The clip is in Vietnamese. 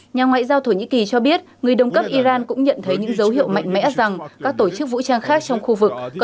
nhà ngoại giao thổ nhĩ kỳ cho biết người đồng cấp iran cũng nhận thấy những dấu hiệu mạnh mẽ rằng các tổ chức vũ trang khác trong khu vực